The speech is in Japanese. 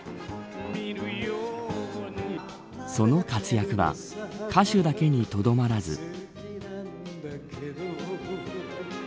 その活躍は歌手だけにとどまらず。